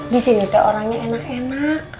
disini ke orangnya enak enak